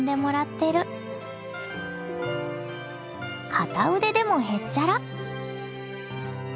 片腕でもへっちゃら！